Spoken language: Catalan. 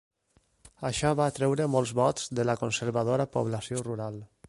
Això va atreure molts vots de la conservadora població rural.